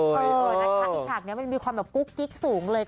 เออนะคะไอ้ฉากนี้มันมีความแบบกุ๊กกิ๊กสูงเลย